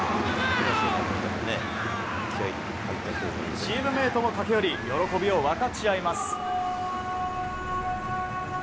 チームメートも駆け寄り喜びを分かち合います。